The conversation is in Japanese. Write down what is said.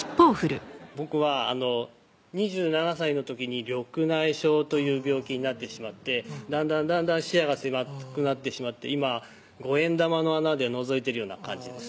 僕は２７歳の時に緑内障という病気になってしまってだんだんだんだん視野が狭くなってしまって今五円玉の穴でのぞいてるような感じです